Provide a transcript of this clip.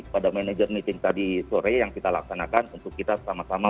pada manajer meeting tadi sore yang kita laksanakan untuk kita tolong membina